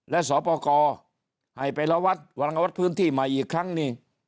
และสปกรให้ไประวัดวรวัดพื้นที่ใหม่อีกครั้งหนึ่ง